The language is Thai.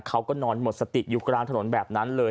เขาก็นอนหมดสติอยู่กลางถนนแบบนั้นเลย